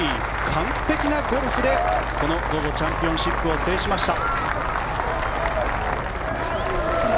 完璧なゴルフでＺＯＺＯチャンピオンシップを制しました。